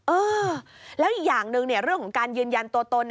เออแล้วอย่างหนึ่งเรื่องของการยืนยันตัวตน